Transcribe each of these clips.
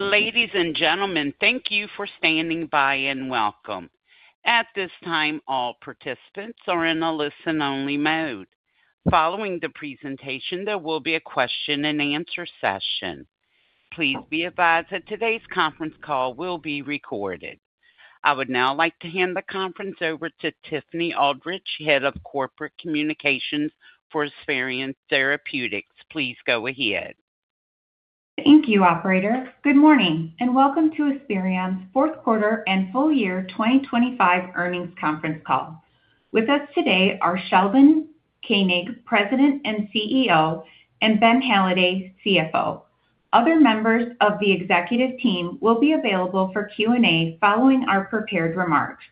Ladies and gentlemen, thank you for standing by and welcome. At this time, all participants are in a listen-only mode. Following the presentation, there will be a question-and-answer session. Please be advised that today's conference call will be recorded. I would now like to hand the conference over to Tiffany Aldrich, Head of Corporate Communications for Esperion Therapeutics. Please go ahead. Thank you, operator. Good morning, and welcome to Esperion's Fourth Quarter and Full-Year 2025 Earnings Conference Call. With us today are Sheldon Koenig, President and CEO, and Ben Halladay, CFO. Other members of the executive team will be available for Q&A following our prepared remarks.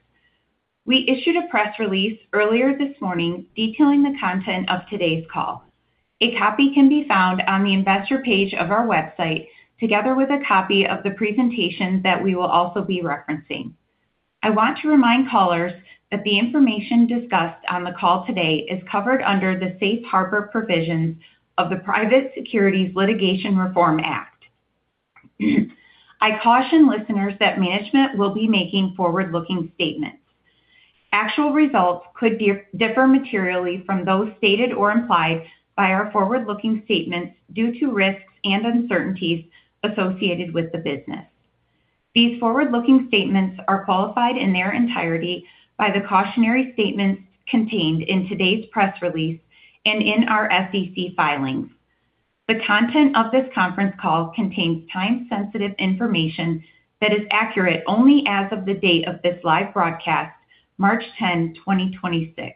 We issued a press release earlier this morning detailing the content of today's call. A copy can be found on the Investor page of our website, together with a copy of the presentation that we will also be referencing. I want to remind callers that the information discussed on the call today is covered under the safe harbor provisions of the Private Securities Litigation Reform Act. I caution listeners that management will be making forward-looking statements. Actual results could differ materially from those stated or implied by our forward-looking statements due to risks and uncertainties associated with the business. These forward-looking statements are qualified in their entirety by the cautionary statements contained in today's press release and in our SEC filings. The content of this conference call contains time-sensitive information that is accurate only as of the date of this live broadcast, March 10, 2026.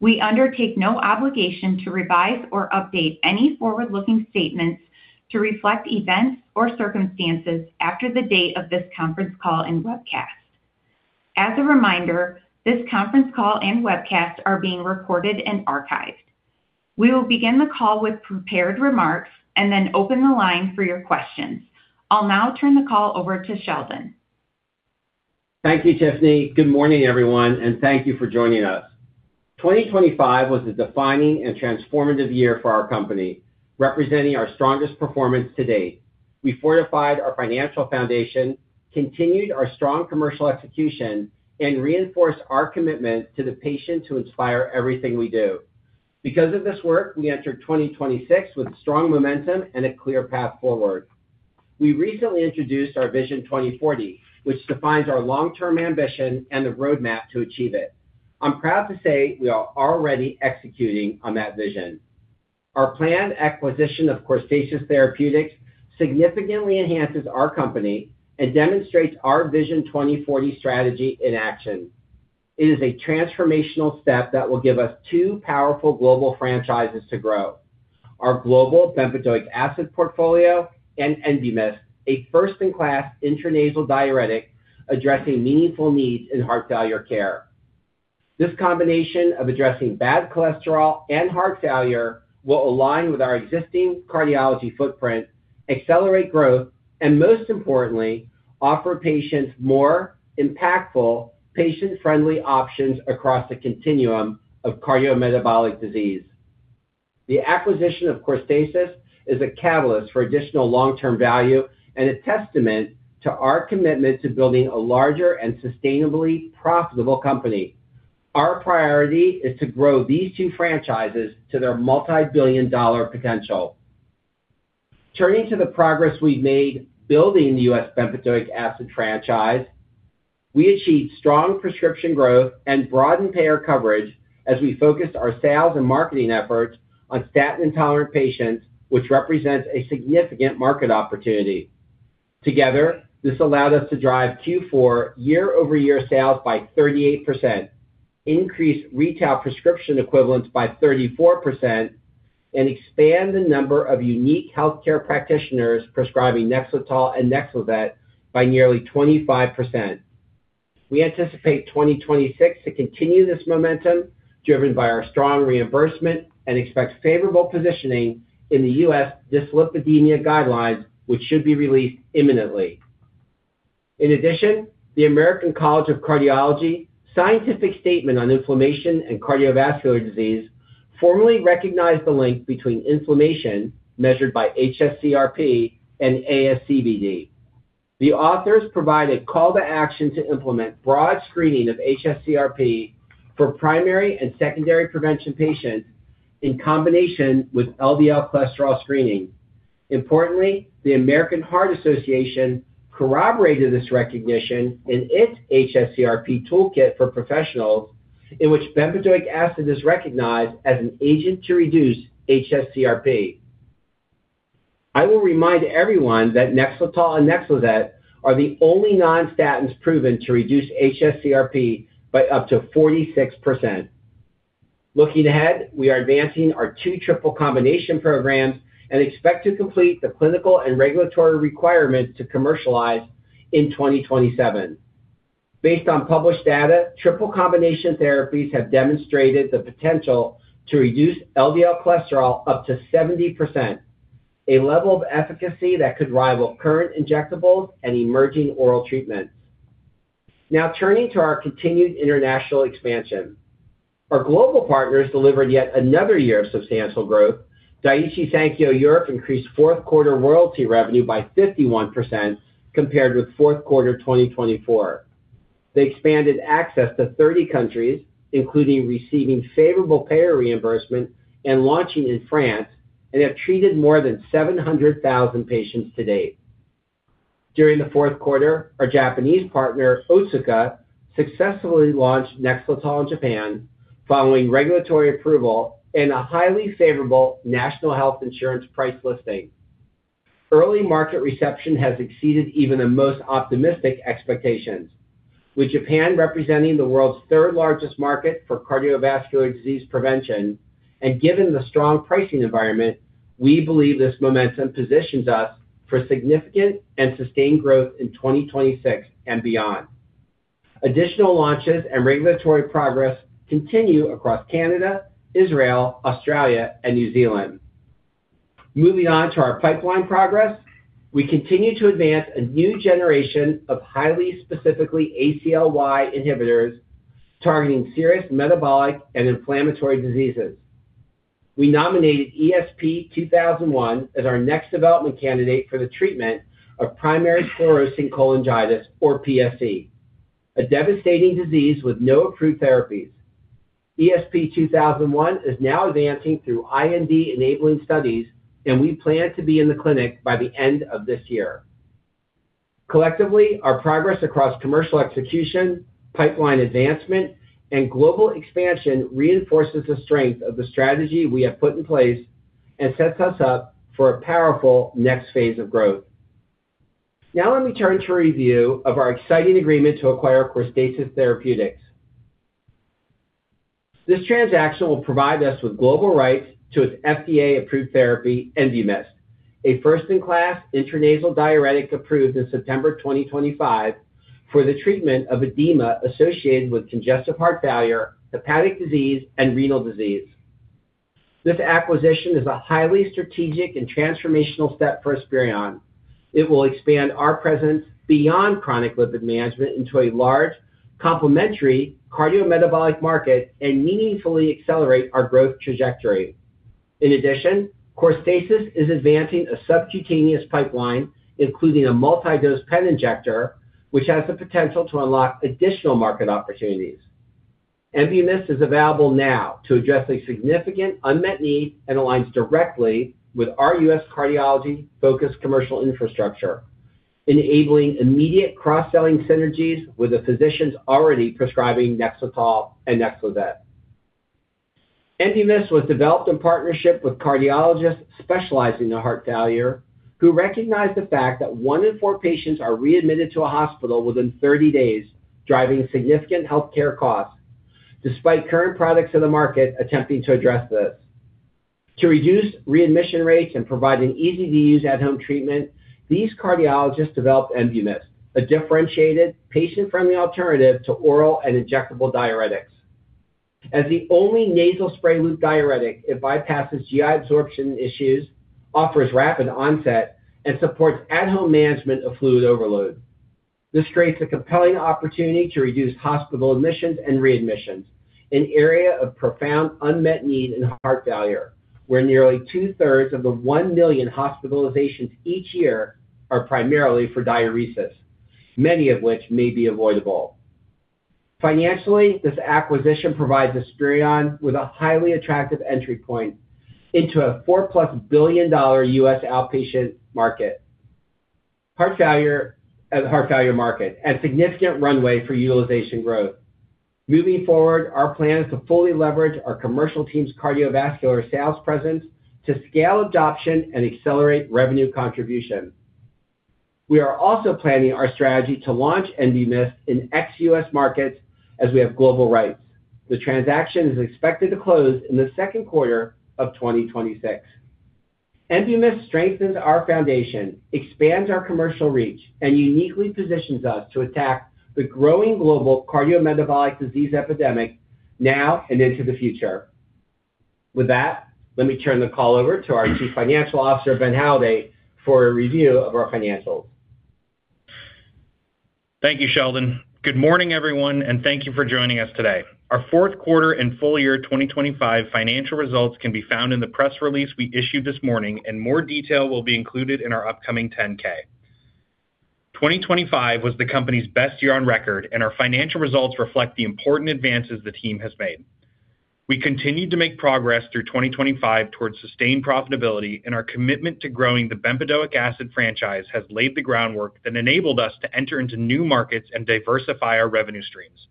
We undertake no obligation to revise or update any forward-looking statements to reflect events or circumstances after the date of this conference call and webcast. As a reminder, this conference call and webcast are being recorded and archived. We will begin the call with prepared remarks and then open the line for your questions. I'll now turn the call over to Sheldon. Thank you, Tiffany. Good morning, everyone, and thank you for joining us. 2025 was a defining and transformative year for our company, representing our strongest performance to date. We fortified our financial foundation, continued our strong commercial execution, and reinforced our commitment to the patient to inspire everything we do. Because of this work, we enter 2026 with strong momentum and a clear path forward. We recently introduced our Vision 2040, which defines our long-term ambition and the roadmap to achieve it. I'm proud to say we are already executing on that vision. Our planned acquisition of Corstasis Therapeutics significantly enhances our company and demonstrates our Vision 2040 strategy in action. It is a transformational step that will give us two powerful global franchises to grow. Our global bempedoic acid portfolio and Enbumyst, a first-in-class intranasal diuretic addressing meaningful needs in heart failure care. This combination of addressing bad cholesterol and heart failure will align with our existing cardiology footprint, accelerate growth, and most importantly, offer patients more impactful, patient-friendly options across the continuum of cardiometabolic disease. The acquisition of Corstasis is a catalyst for additional long-term value and a testament to our commitment to building a larger and sustainably profitable company. Our priority is to grow these two franchises to their multi-billion-dollar potential. Turning to the progress we've made building the U.S. bempedoic acid franchise, we achieved strong prescription growth and broadened payer coverage as we focused our sales and marketing efforts on statin-tolerant patients, which represents a significant market opportunity. Together, this allowed us to drive Q4 year-over-year sales by 38%, increase retail prescription equivalents by 34%, and expand the number of unique healthcare practitioners prescribing NEXLETOL and NEXLIZET by nearly 25%. We anticipate 2026 to continue this momentum, driven by our strong reimbursement and expect favorable positioning in the U.S. dyslipidemia guidelines, which should be released imminently. In addition, the American College of Cardiology scientific statement on inflammation and cardiovascular disease formally recognized the link between inflammation measured by hsCRP and ASCVD. The authors provide a call to action to implement broad screening of hsCRP for primary and secondary prevention patients in combination with LDL cholesterol screening. Importantly, the American Heart Association corroborated this recognition in its hsCRP toolkit for professionals in which bempedoic acid is recognized as an agent to reduce hsCRP. I will remind everyone that NEXLETOL and NEXLIZET are the only non-statins proven to reduce hsCRP by up to 46%. Looking ahead, we are advancing our two triple combination programs and expect to complete the clinical and regulatory requirements to commercialize in 2027. Based on published data, triple combination therapies have demonstrated the potential to reduce LDL cholesterol up to 70%, a level of efficacy that could rival current injectables and emerging oral treatments. Now turning to our continued international expansion. Our global partners delivered yet another year of substantial growth. Daiichi Sankyo Europe increased fourth quarter royalty revenue by 51% compared to fourth quarter 2024. They expanded access to 30 countries, including receiving favorable payer reimbursement and launching in France, and have treated more than 700,000 patients to date. During the fourth quarter, our Japanese partner, Otsuka, successfully launched NEXLETOL in Japan following regulatory approval and a highly favorable national health insurance price listing. Early market reception has exceeded even the most optimistic expectations. With Japan representing the world's third-largest market for cardiovascular disease prevention, and given the strong pricing environment, we believe this momentum positions us for significant and sustained growth in 2026 and beyond. Additional launches and regulatory progress continue across Canada, Israel, Australia, and New Zealand. Moving on to our pipeline progress. We continue to advance a new generation of highly specific ACLY inhibitors targeting serious metabolic and inflammatory diseases. We nominated ESP-2001 as our next development candidate for the treatment of primary sclerosing cholangitis, or PSC, a devastating disease with no approved therapies. ESP-2001 is now advancing through IND-enabling studies, and we plan to be in the clinic by the end of this year. Collectively, our progress across commercial execution, pipeline advancement, and global expansion reinforces the strength of the strategy we have put in place and sets us up for a powerful next phase of growth. Now let me turn to a review of our exciting agreement to acquire Corstasis Therapeutics. This transaction will provide us with global rights to its FDA-approved therapy, Enbumyst, a first-in-class intranasal diuretic approved in September 2025 for the treatment of edema associated with congestive heart failure, hepatic disease, and renal disease. This acquisition is a highly strategic and transformational step for Esperion. It will expand our presence beyond chronic lipid management into a large, complementary cardiometabolic market and meaningfully accelerate our growth trajectory. In addition, Corstasis is advancing a subcutaneous pipeline, including a multi-dose pen injector, which has the potential to unlock additional market opportunities. Enbumyst is available now to address a significant unmet need and aligns directly with our U.S. cardiology-focused commercial infrastructure, enabling immediate cross-selling synergies with the physicians already prescribing NEXLETOL and NEXLIZET. Enbumyst was developed in partnership with cardiologists specializing in heart failure, who recognized the fact that one in four patients are readmitted to a hospital within 30 days, driving significant healthcare costs, despite current products in the market attempting to address this. To reduce readmission rates and provide an easy-to-use at-home treatment, these cardiologists developed Enbumyst, a differentiated, patient-friendly alternative to oral and injectable diuretics. As the only nasal spray loop diuretic, it bypasses GI absorption issues, offers rapid onset, and supports at-home management of fluid overload. This creates a compelling opportunity to reduce hospital admissions and readmissions, an area of profound unmet need in heart failure, where nearly two-thirds of the 1 million hospitalizations each year are primarily for diuresis, many of which may be avoidable. Financially, this acquisition provides Esperion with a highly attractive entry point into a $4+ billion U.S. outpatient market. Heart failure market and significant runway for utilization growth. Moving forward, our plan is to fully leverage our commercial team's cardiovascular sales presence to scale adoption and accelerate revenue contribution. We are also planning our strategy to launch Enbumyst in ex-U.S. markets as we have global rights. The transaction is expected to close in the second quarter of 2026. Enbumyst strengthens our foundation, expands our commercial reach, and uniquely positions us to attack the growing global cardiometabolic disease epidemic now and into the future. With that, let me turn the call over to our Chief Financial Officer, Ben Halladay, for a review of our financials. Thank you, Sheldon. Good morning, everyone, and thank you for joining us today. Our fourth quarter and full-year 2025 financial results can be found in the press release we issued this morning, and more detail will be included in our upcoming 10-K. 2025 was the company's best year on record, and our financial results reflect the important advances the team has made. We continued to make progress through 2025 towards sustained profitability, and our commitment to growing the bempedoic acid franchise has laid the groundwork that enabled us to enter into new markets and diversify our revenue streams.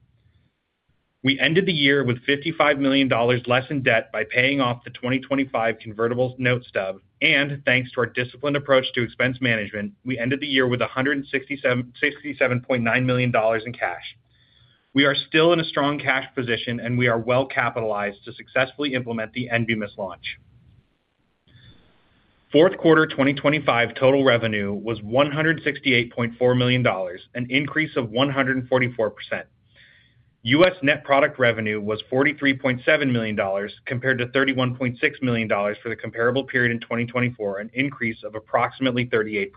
We ended the year with $55 million less in debt by paying off the 2025 convertible note stub, and thanks to our disciplined approach to expense management, we ended the year with $167.9 million in cash. We are still in a strong cash position, and we are well-capitalized to successfully implement the Enbumyst launch. Fourth quarter 2025 total revenue was $168.4 million, an increase of 144%. U.S. net product revenue was $43.7 million compared to $31.6 million for the comparable period in 2024, an increase of approximately 38%.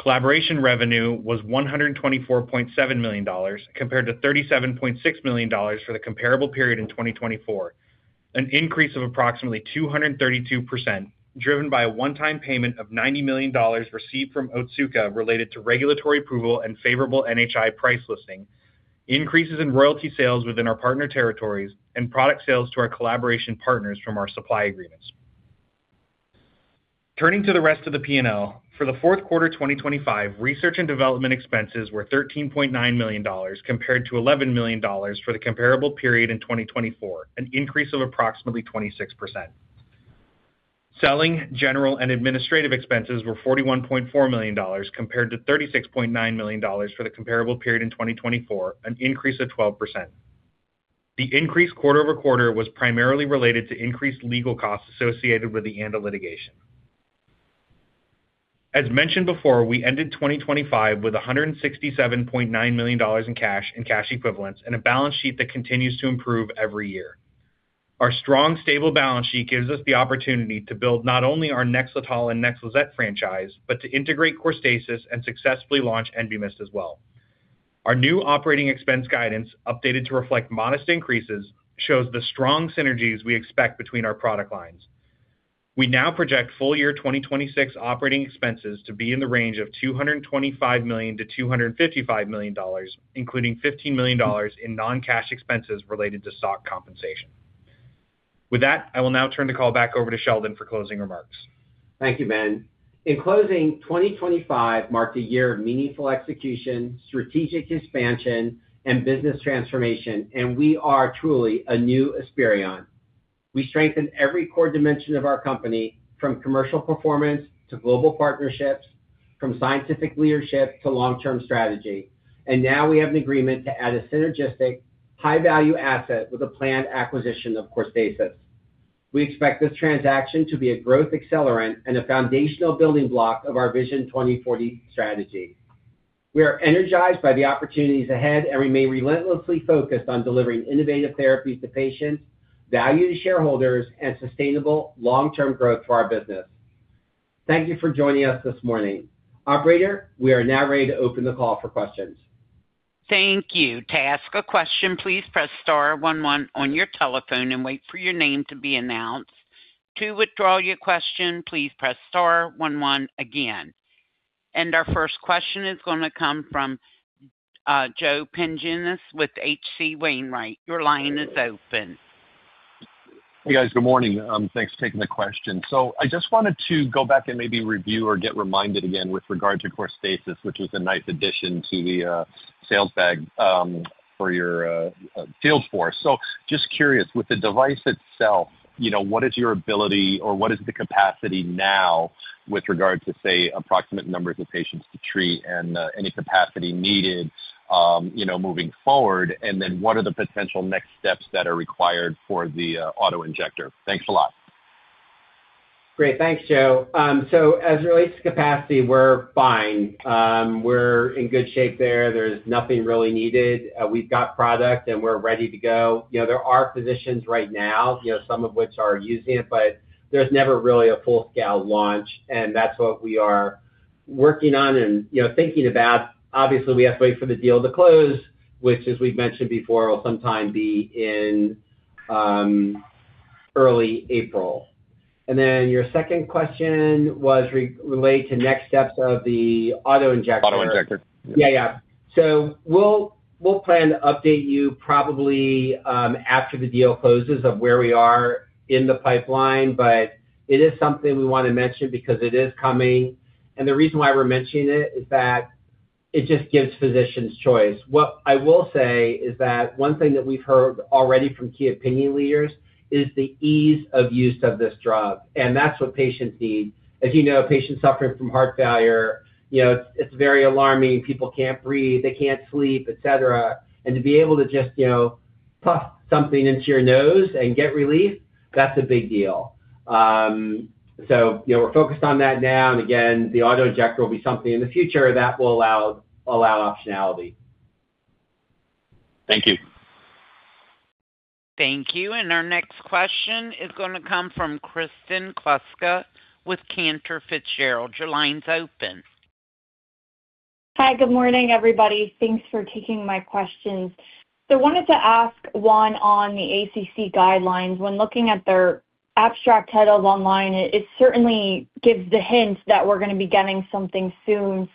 Collaboration revenue was $124.7 million compared to $37.6 million for the comparable period in 2024, an increase of approximately 232% driven by a one-time payment of $90 million received from Otsuka related to regulatory approval and favorable NHI price listing, increases in royalty sales within our partner territories and product sales to our collaboration partners from our supply agreements. Turning to the rest of the P&L. For the fourth quarter 2025, research and development expenses were $13.9 million compared to $11 million for the comparable period in 2024, an increase of approximately 26%. Selling, general and administrative expenses were $41.4 million compared to $36.9 million for the comparable period in 2024, an increase of 12%. The increase quarter-over-quarter was primarily related to increased legal costs associated with the ANDA litigation. As mentioned before, we ended 2025 with $167.9 million in cash and cash equivalents and a balance sheet that continues to improve every year. Our strong, stable balance sheet gives us the opportunity to build not only our NEXLETOL and NEXLIZET franchise, but to integrate Corstasis and successfully launch Enbumyst as well. Our new operating expense guidance, updated to reflect modest increases, shows the strong synergies we expect between our product lines. We now project full year 2026 operating expenses to be in the range of $225 million-$255 million, including $15 million in non-cash expenses related to stock compensation. With that, I will now turn the call back over to Sheldon for closing remarks. Thank you, Ben. In closing, 2025 marked a year of meaningful execution, strategic expansion and business transformation, and we are truly a new Esperion. We strengthened every core dimension of our company, from commercial performance to global partnerships, from scientific leadership to long-term strategy. Now we have an agreement to add a synergistic high-value asset with a planned acquisition of Corstasis. We expect this transaction to be a growth accelerant and a foundational building block of our Vision 2040 strategy. We are energized by the opportunities ahead, and we remain relentlessly focused on delivering innovative therapies to patients, value to shareholders and sustainable long-term growth to our business. Thank you for joining us this morning. Operator, we are now ready to open the call for questions. Thank you. To ask a question, please press star one one on your telephone and wait for your name to be announced. To withdraw your question, please press star one one again. Our first question is going to come from Joe Pantginis with H.C. Wainwright. Your line is open. Hey, guys. Good morning. Thanks for taking the question. I just wanted to go back and maybe review or get reminded again with regard to Corstasis, which was a nice addition to the sales bag for your field force. Just curious, with the device itself, you know, what is your ability or what is the capacity now with regard to, say, approximate numbers of patients to treat and any capacity needed, you know, moving forward? Then what are the potential next steps that are required for the auto-injector? Thanks a lot. Great. Thanks, Joe. As it relates to capacity, we're fine. We're in good shape there. There's nothing really needed. We've got product and we're ready to go. You know, there are physicians right now, you know, some of which are using it, but there's never really a full-scale launch, and that's what we are working on and, you know, thinking about. Obviously, we have to wait for the deal to close, which as we've mentioned before, will sometime be in early April. Your second question was related to next steps of the auto-injector. Auto-injector. Yeah. We'll plan to update you probably after the deal closes of where we are in the pipeline, but it is something we want to mention because it is coming. The reason why we're mentioning it is that it just gives physicians choice. What I will say is that one thing that we've heard already from key opinion leaders is the ease of use of this drug, and that's what patients need. As you know, a patient suffering from heart failure, you know, it's very alarming. People can't breathe, they can't sleep, et cetera. To be able to just, you know, puff something into your nose and get relief, that's a big deal. You know, we're focused on that now. Again, the auto-injector will be something in the future that will allow optionality. Thank you. Thank you. Our next question is going to come from Kristen Kluska with Cantor Fitzgerald. Your line's open. Hi. Good morning, everybody. Thanks for taking my questions. I wanted to ask one on the ACC guidelines. When looking at their abstract titles online, it certainly gives the hint that we're going to be getting something soon.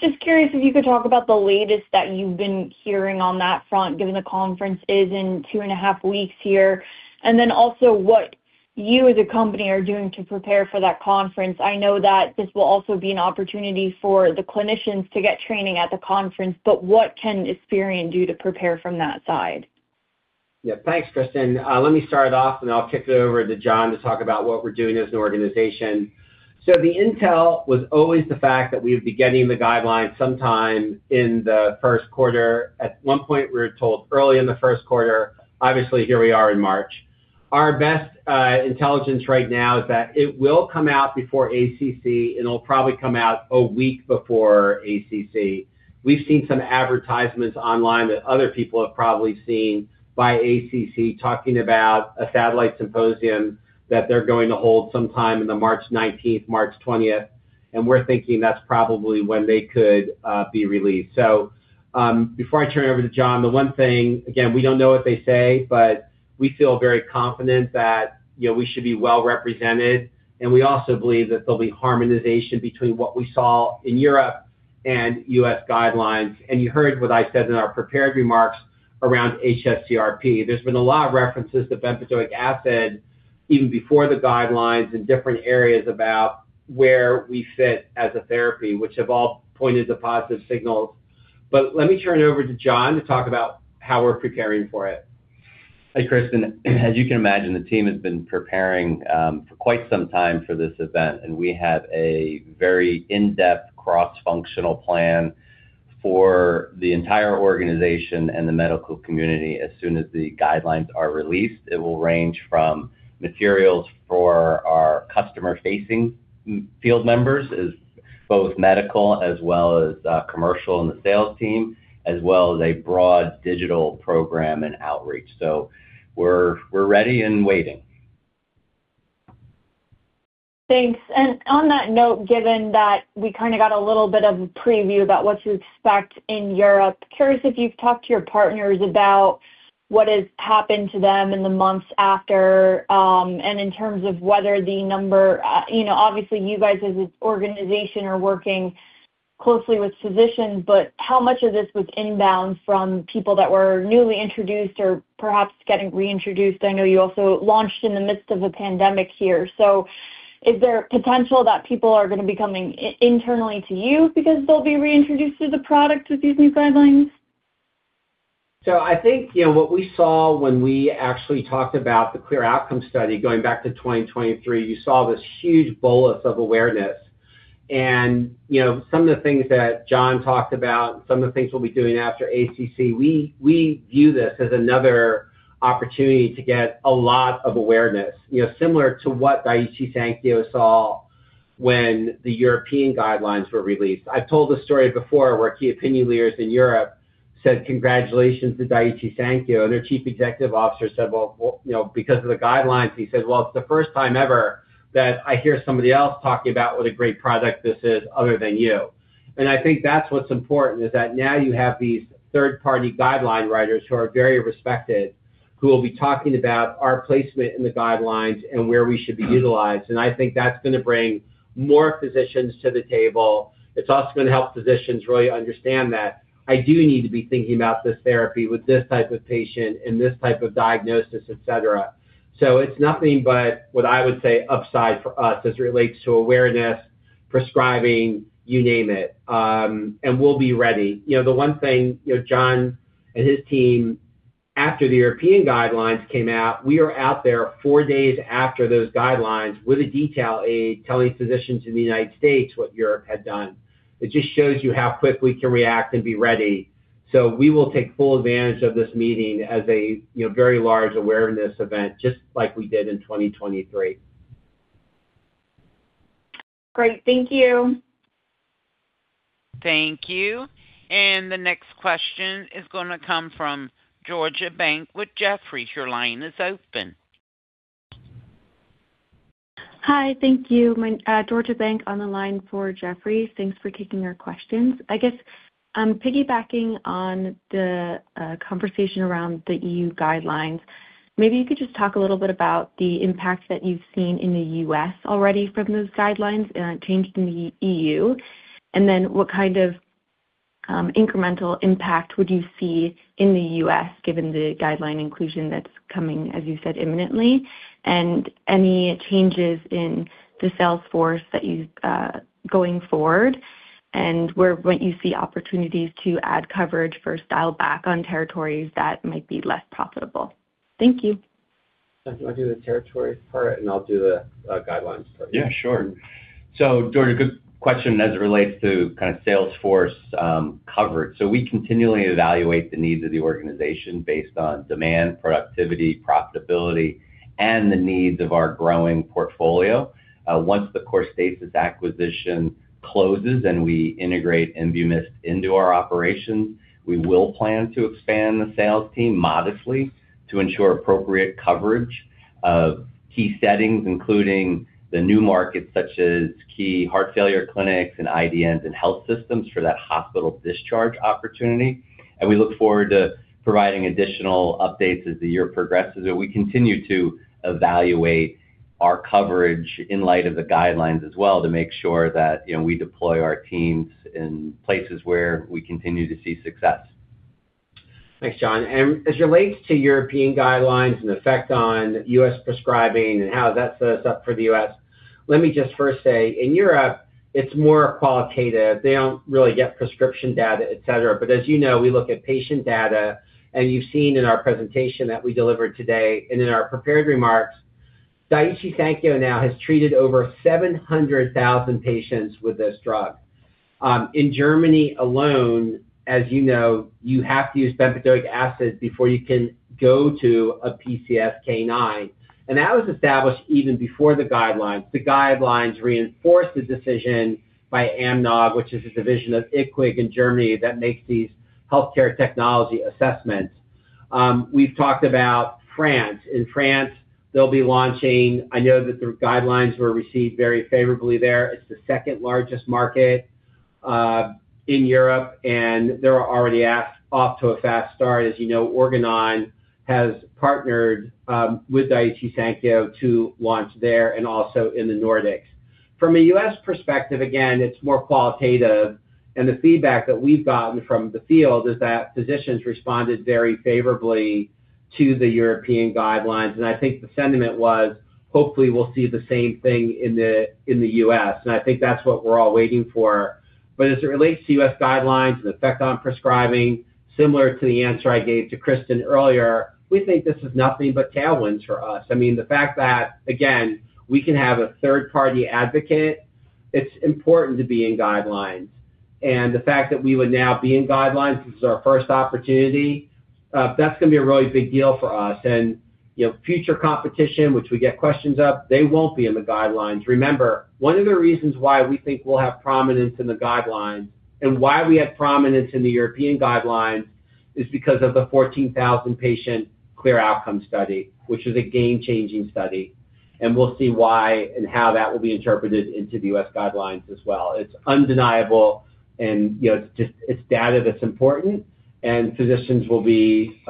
Just curious if you could talk about the latest that you've been hearing on that front, given the conference is in two and a half weeks here, and then also what you as a company are doing to prepare for that conference. I know that this will also be an opportunity for the clinicians to get training at the conference, but what can Esperion do to prepare from that side? Yeah. Thanks, Kristen. Let me start off, and I'll kick it over to John to talk about what we're doing as an organization. The intel was always the fact that we would be getting the guidelines sometime in the first quarter. At one point, we were told early in the first quarter. Obviously, here we are in March. Our best intelligence right now is that it will come out before ACC. It'll probably come out a week before ACC. We've seen some advertisements online that other people have probably seen by ACC, talking about a satellite symposium that they're going to hold sometime in the March 19th, March 20th. We're thinking that's probably when they could be released. Before I turn it over to John, the one thing, again, we don't know what they say, but we feel very confident that, you know, we should be well-represented. We also believe that there'll be harmonization between what we saw in Europe and U.S. guidelines. You heard what I said in our prepared remarks around hsCRP. There's been a lot of references to bempedoic acid even before the guidelines in different areas about where we fit as a therapy, which have all pointed to positive signals. Let me turn it over to John to talk about how we're preparing for it. Hey, Kristen. As you can imagine, the team has been preparing for quite some time for this event, and we have a very in-depth cross-functional plan for the entire organization and the medical community as soon as the guidelines are released. It will range from materials for our customer-facing field members, as both medical as well as commercial and the sales team, as well as a broad digital program and outreach. We're ready and waiting. Thanks. On that note, given that we kinda got a little bit of a preview about what to expect in Europe, curious if you've talked to your partners about what has happened to them in the months after, and in terms of whether the number, you know, obviously you guys as an organization are working closely with physicians, but how much of this was inbound from people that were newly introduced or perhaps getting reintroduced? I know you also launched in the midst of a pandemic here. Is there potential that people are gonna be coming internally to you because they'll be reintroduced to the product with these new guidelines? I think, you know, what we saw when we actually talked about the CLEAR Outcomes study going back to 2023, you saw this huge bolus of awareness. You know, some of the things that John talked about, some of the things we'll be doing after ACC, we view this as another opportunity to get a lot of awareness. You know, similar to what Daiichi Sankyo saw when the European guidelines were released. I've told this story before where key opinion leaders in Europe said congratulations to Daiichi Sankyo. Their Chief Executive Officer said, You know, because of the guidelines, he said, "Well, it's the first time ever that I hear somebody else talking about what a great product this is other than you." I think that's what's important, is that now you have these third-party guideline writers who are very respected, who will be talking about our placement in the guidelines and where we should be utilized. I think that's gonna bring more physicians to the table. It's also gonna help physicians really understand that I do need to be thinking about this therapy with this type of patient and this type of diagnosis, et cetera. It's nothing but what I would say upside for us as it relates to awareness, prescribing, you name it. We'll be ready. You know, the one thing, you know, John and his team, after the European guidelines came out, we are out there four days after those guidelines with a detail aid telling physicians in the United States what Europe had done. It just shows you how quick we can react and be ready. We will take full advantage of this meeting as a, you know, very large awareness event, just like we did in 2023. Great. Thank you. Thank you. The next question is gonna come from Georgia Bank with Jefferies. Your line is open. Hi. Thank you. Georgia Bank on the line for Jefferies. Thanks for taking our questions. I guess, piggybacking on the conversation around the EU guidelines, maybe you could just talk a little bit about the impact that you've seen in the U.S. Already from those guidelines changing the EU. Then what kind of incremental impact would you see in the U.S. given the guideline inclusion that's coming, as you said, imminently? Any changes in the sales force that you going forward, and where would you see opportunities to add coverage or dial back on territories that might be less profitable? Thank you. John, do you wanna do the territory part, and I'll do the guidelines part? Yeah, sure. Georgia, good question as it relates to kind of sales force coverage. We continually evaluate the needs of the organization based on demand, productivity, profitability, and the needs of our growing portfolio. Once the Corstasis acquisition closes and we integrate Enbumyst into our operations, we will plan to expand the sales team modestly to ensure appropriate coverage of key settings, including the new markets such as key heart failure clinics and IDNs and health systems for that hospital discharge opportunity. We look forward to providing additional updates as the year progresses, and we continue to evaluate our coverage in light of the guidelines as well to make sure that, you know, we deploy our teams in places where we continue to see success. Thanks, John. As it relates to European guidelines and effect on U.S. prescribing and how that sets up for the U.S., let me just first say, in Europe it's more qualitative. They don't really get prescription data, et cetera. As you know, we look at patient data, and you've seen in our presentation that we delivered today and in our prepared remarks. Daiichi Sankyo now has treated over 700,000 patients with this drug. In Germany alone, as you know, you have to use bempedoic acid before you can go to a PCSK9. That was established even before the guidelines. The guidelines reinforced the decision by AMNOG, which is a division of IQWiG in Germany that makes these healthcare technology assessments. We've talked about France. In France, they'll be launching. I know that the guidelines were received very favorably there. It's the second-largest market in Europe, and they are already off to a fast start. As you know, Organon has partnered with Daiichi Sankyo to launch there and also in the Nordics. From a U.S. perspective, again, it's more qualitative, and the feedback that we've gotten from the field is that physicians responded very favorably to the European guidelines. I think the sentiment was, hopefully, we'll see the same thing in the U.S. I think that's what we're all waiting for. As it relates to U.S. guidelines and effect on prescribing, similar to the answer I gave to Kristen earlier, we think this is nothing but tailwinds for us. I mean, the fact that, again, we can have a third-party advocate, it's important to be in guidelines. The fact that we would now be in guidelines, this is our first opportunity, that's gonna be a really big deal for us. You know, future competition, which we get questions of, they won't be in the guidelines. Remember, one of the reasons why we think we'll have prominence in the guidelines and why we have prominence in the European guidelines is because of the 14,000-patient CLEAR Outcomes study, which is a game-changing study. We'll see why and how that will be interpreted into the U.S. guidelines as well. It's undeniable and, you know, it's just, it's data that's important, and physicians will be, you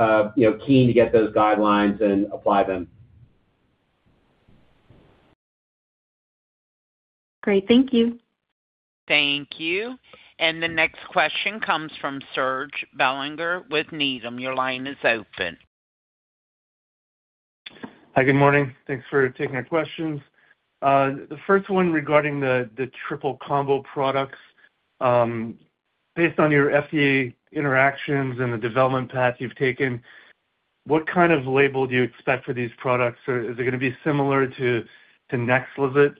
know, keen to get those guidelines and apply them. Great. Thank you. Thank you. The next question comes from Serge Belanger with Needham. Your line is open. Hi. Good morning. Thanks for taking our questions. The first one regarding the triple combo products. Based on your FDA interactions and the development path you've taken, what kind of label do you expect for these products? Is it gonna be similar to NEXLIZET?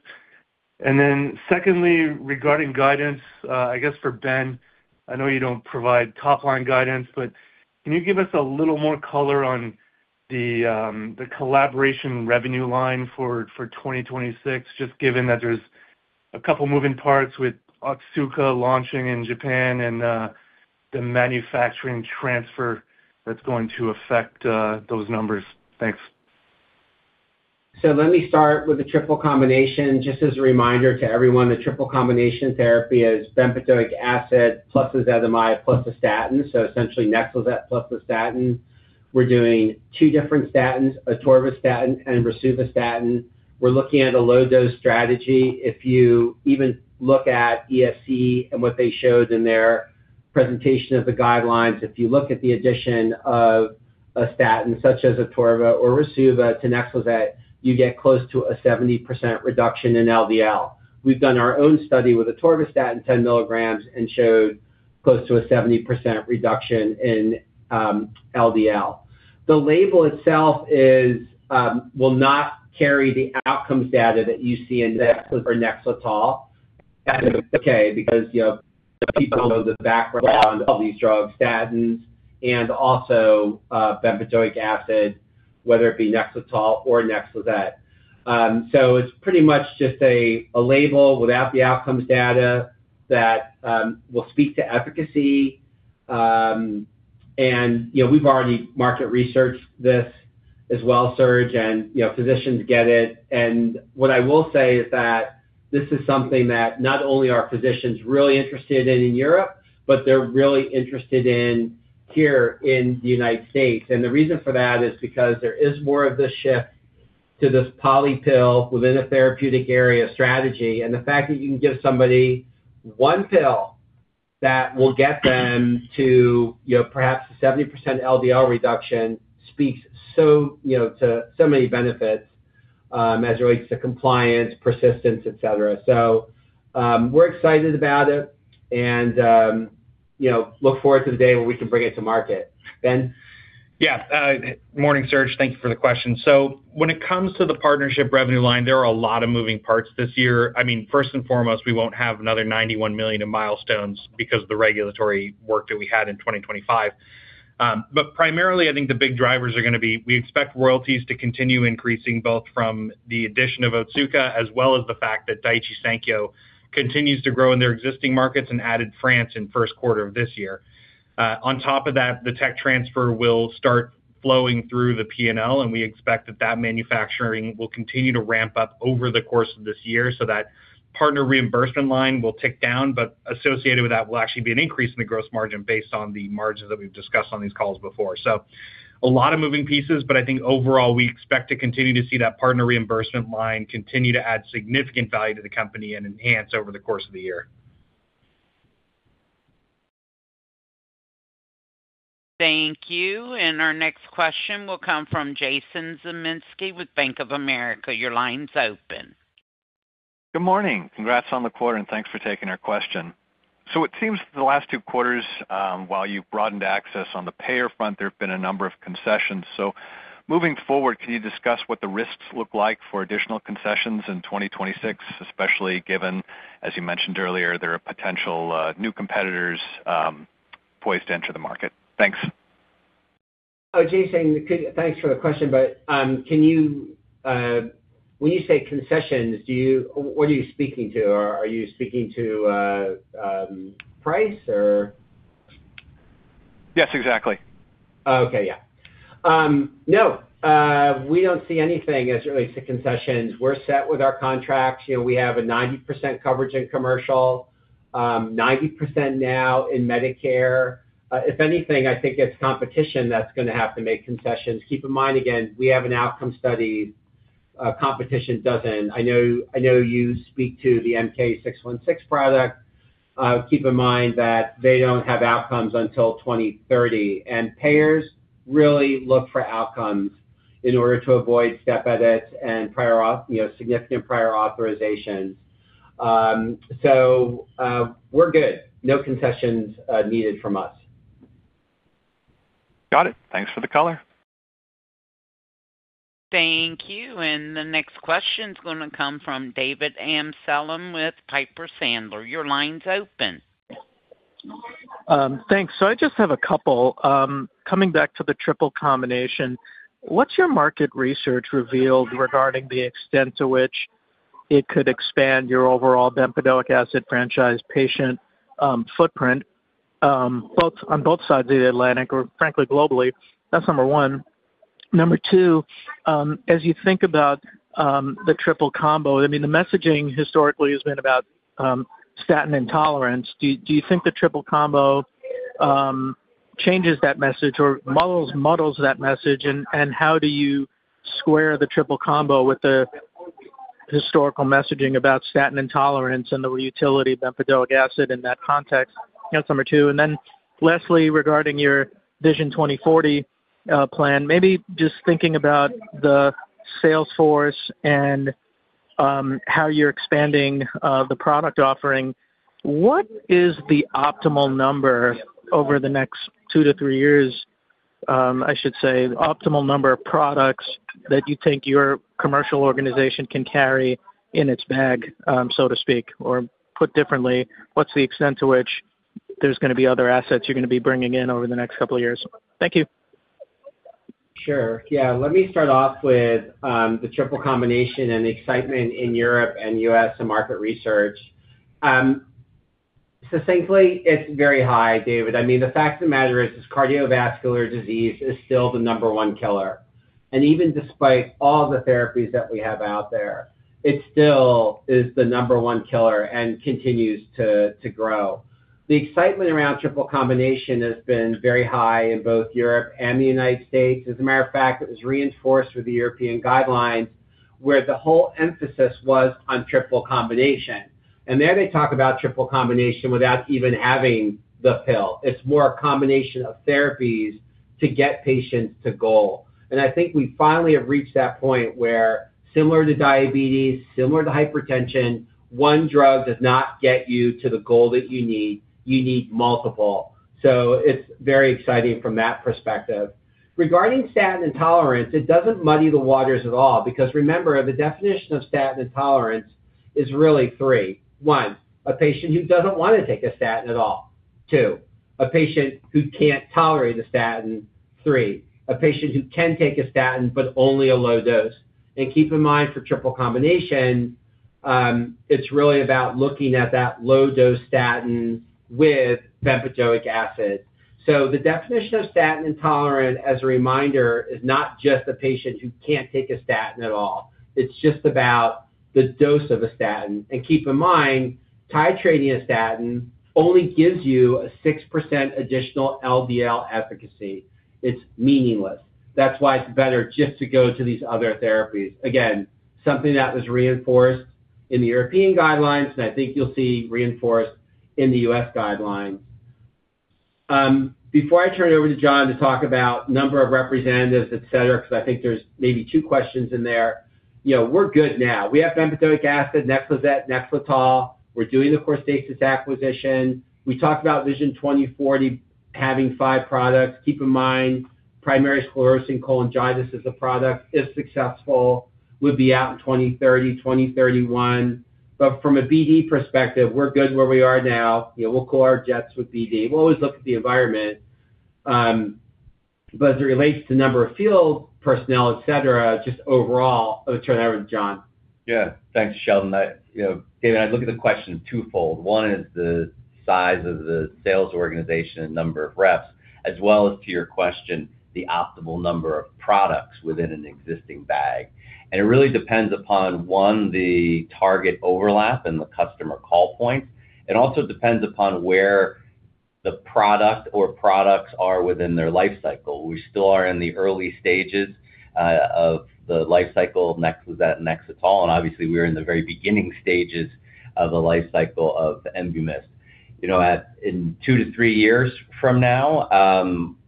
Secondly, regarding guidance, I guess for Ben, I know you don't provide top-line guidance, but can you give us a little more color on the collaboration revenue line for 2026, just given that there's a couple moving parts with Otsuka launching in Japan and the manufacturing transfer that's going to affect those numbers? Thanks. Let me start with the triple combination. Just as a reminder to everyone, the triple combination therapy is bempedoic acid plus ezetimibe plus a statin, so essentially NEXLIZET plus a statin. We're doing two different statins, atorvastatin and rosuvastatin. We're looking at a low-dose strategy. If you even look at ESC and what they showed in their presentation of the guidelines, if you look at the addition of a statin such as atorva or rosuva to NEXLIZET, you get close to a 70% reduction in LDL. We've done our own study with atorvastatin 10 milligrams and showed close to a 70% reduction in LDL. The label itself will not carry the outcomes data that you see in that for NEXLETOL. That is okay because, you know, people know the background of these drugs, statins and also, bempedoic acid, whether it be NEXLETOL or NEXLIZET. It's pretty much just a label without the outcomes data that will speak to efficacy. You know, we've already market researched this as well, Serge, and, you know, physicians get it. What I will say is that this is something that not only are physicians really interested in in Europe, but they're really interested in here in the United States. The reason for that is because there is more of the shift to this poly pill within a therapeutic area strategy. The fact that you can give somebody one pill that will get them to, you know, perhaps 70% LDL reduction speaks so, you know, to so many benefits, as it relates to compliance, persistence, et cetera. We're excited about it and, you know, look forward to the day where we can bring it to market. Ben? Yeah. Morning, Serge. Thank you for the question. When it comes to the partnership revenue line, there are a lot of moving parts this year. I mean, first and foremost, we won't have another $91 million in milestones because of the regulatory work that we had in 2025. Primarily, I think the big drivers are gonna be, we expect royalties to continue increasing both from the addition of Otsuka, as well as the fact that Daiichi Sankyo continues to grow in their existing markets and added France in first quarter of this year. On top of that, the tech transfer will start flowing through the P&L, and we expect that manufacturing will continue to ramp up over the course of this year so that partner reimbursement line will tick down. Associated with that will actually be an increase in the gross margin based on the margins that we've discussed on these calls before. A lot of moving pieces, but I think overall, we expect to continue to see that partner reimbursement line continue to add significant value to the company and enhance over the course of the year. Thank you. Our next question will come from Jason Zemansky with Bank of America. Your line's open. Good morning. Congrats on the quarter, and thanks for taking our question. It seems the last two quarters, while you've broadened access on the payer front, there have been a number of concessions. Moving forward, can you discuss what the risks look like for additional concessions in 2026, especially given, as you mentioned earlier, there are potential, new competitors, poised to enter the market? Thanks. Oh, Jason, good. Thanks for the question, but when you say concessions, what are you speaking to? Are you speaking to price or? Yes, exactly. Okay. Yeah. No, we don't see anything as it relates to concessions. We're set with our contracts. You know, we have 90% coverage in commercial, 90% now in Medicare. If anything, I think it's competition that's gonna have to make concessions. Keep in mind, again, we have an outcome study, competition doesn't. I know you speak to the MK-0616 product. Keep in mind that they don't have outcomes until 2030, and payers really look for outcomes in order to avoid step edits and, you know, significant prior authorizations. We're good. No concessions needed from us. Got it. Thanks for the color. Thank you. The next question's gonna come from David Amsellem with Piper Sandler. Your line's open. Thanks. I just have a couple. Coming back to the triple combination, what's your market research revealed regarding the extent to which it could expand your overall bempedoic acid franchise patient footprint, on both sides of the Atlantic or frankly, globally? That's number one. Number two, as you think about the triple combo, I mean, the messaging historically has been about statin intolerance. Do you think the triple combo changes that message or muddles that message? And how do you square the triple combo with the historical messaging about statin intolerance and the utility of bempedoic acid in that context? That's number two. And then lastly, regarding your Vision 2040 plan, maybe just thinking about the sales force and how you're expanding the product offering. What is the optimal number over the next 2-3 years? I should say optimal number of products that you think your commercial organization can carry in its bag, so to speak, or put differently, what's the extent to which there's gonna be other assets you're gonna be bringing in over the next couple of years? Thank you. Sure. Yeah. Let me start off with the triple combination and the excitement in Europe and U.S. two-market research. Succinctly, it's very high, David. I mean, the fact of the matter is cardiovascular disease is still the number one killer. Even despite all the therapies that we have out there, it still is the number one killer and continues to grow. The excitement around triple combination has been very high in both Europe and the United States. As a matter of fact, it was reinforced with the European guidelines, where the whole emphasis was on triple combination. There they talk about triple combination without even having the pill. It's more a combination of therapies to get patients to goal. I think we finally have reached that point where similar to diabetes, similar to hypertension, one drug does not get you to the goal that you need. You need multiple. It's very exciting from that perspective. Regarding statin intolerance, it doesn't muddy the waters at all because remember, the definition of statin intolerance is really three. One, a patient who doesn't want to take a statin at all. Two, a patient who can't tolerate a statin. Three, a patient who can take a statin, but only a low dose. Keep in mind for triple combination, it's really about looking at that low-dose statin with bempedoic acid. The definition of statin intolerant, as a reminder, is not just a patient who can't take a statin at all. It's just about the dose of a statin. Keep in mind, titrating a statin only gives you a 6% additional LDL efficacy. It's meaningless. That's why it's better just to go to these other therapies. Again, something that was reinforced in the European guidelines, and I think you'll see reinforced in the U.S. guidelines. Before I turn it over to John to talk about number of representatives, et cetera, because I think there's maybe two questions in there. You know, we're good now. We have bempedoic acid, NEXLIZET, NEXLETOL. We're doing the Corstasis acquisition. We talked about Vision 2040 having five products. Keep in mind, primary sclerosing cholangitis is a product, if successful, would be out in 2030, 2031. But from a BE perspective, we're good where we are now. You know, we'll cool our jets with BE. We'll always look at the environment. As it relates to number of field personnel, et cetera, just overall, I'll turn it over to John. Yeah. Thanks, Sheldon. I, you know, David, I look at the question twofold. One is the size of the sales organization and number of reps, as well as to your question, the optimal number of products within an existing bag. It really depends upon, one, the target overlap and the customer call points. It also depends upon where the product or products are within their life cycle. We still are in the early stages of the life cycle of NEXLIZET and NEXLETOL, and obviously we're in the very beginning stages of the life cycle of the Enbumyst. You know, in two to three years from now,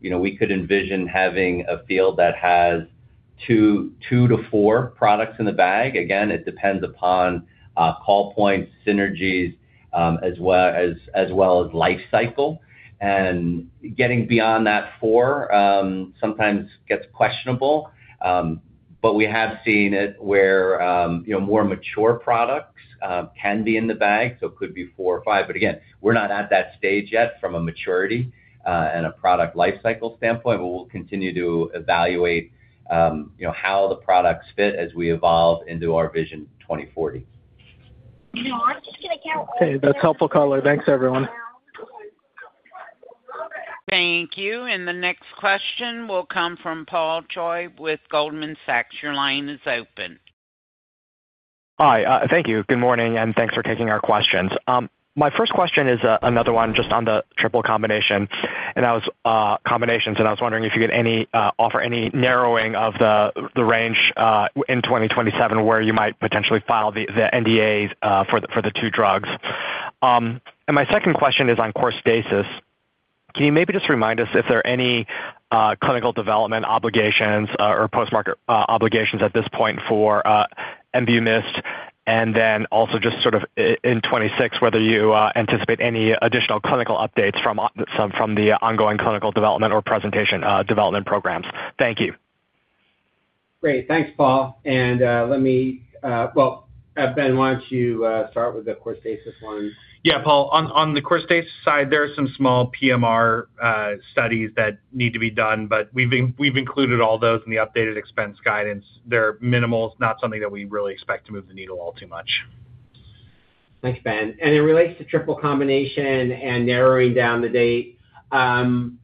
you know, we could envision having a field that has 2-4 products in the bag. Again, it depends upon call points, synergies, as well as life cycle. Getting beyond that four sometimes gets questionable. But we have seen it where, you know, more mature products can be in the bag, so it could be four or five. But again, we're not at that stage yet from a maturity and a product life cycle standpoint, but we'll continue to evaluate, you know, how the products fit as we evolve into our Vision 2040. Okay, that's helpful, caller. Thanks everyone. Thank you. The next question will come from Paul Choi with Goldman Sachs. Your line is open. Hi, thank you. Good morning, and thanks for taking our questions. My first question is another one just on the triple combinations, and I was wondering if you had any offer any narrowing of the range in 2027 where you might potentially file the NDAs for the two drugs. My second question is on Corstasis. Can you maybe just remind us if there are any clinical development obligations or post-market obligations at this point for Enbumyst? And then also just sort of in 2026 whether you anticipate any additional clinical updates from some from the ongoing clinical development or presentation development programs. Thank you. Great. Thanks, Paul. Let me, well, Ben, why don't you start with the Corstasis one? Yeah, Paul, on the Corstasis side, there are some small PMR studies that need to be done, but we've included all those in the updated expense guidance. They're minimal. It's not something that we really expect to move the needle all too much. Thanks, Ben. It relates to triple combination and narrowing down the date. I'm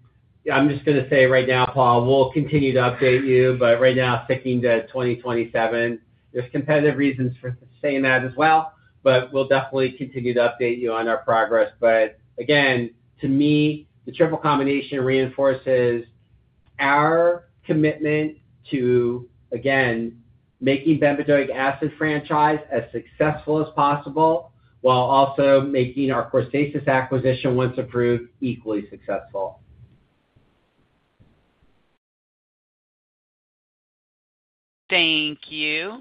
just gonna say right now, Paul, we'll continue to update you, but right now, sticking to 2027. There's competitive reasons for saying that as well, but we'll definitely continue to update you on our progress. Again, to me, the triple combination reinforces our commitment to, again, making bempedoic acid franchise as successful as possible while also making our Corstasis acquisition, once approved, equally successful. Thank you.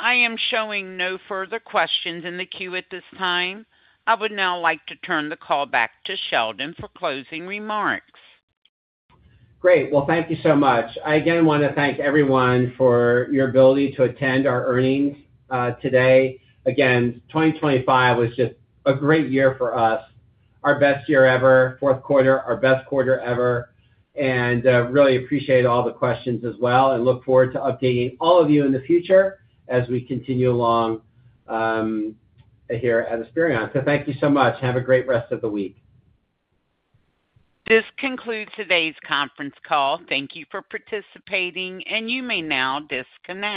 I am showing no further questions in the queue at this time. I would now like to turn the call back to Sheldon for closing remarks. Great. Well, thank you so much. I again want to thank everyone for your ability to attend our earnings today. Again, 2025 was just a great year for us, our best year ever, fourth quarter, our best quarter ever, and really appreciate all the questions as well and look forward to updating all of you in the future as we continue along here at Esperion. Thank you so much. Have a great rest of the week. This concludes today's conference call. Thank you for participating, and you may now disconnect.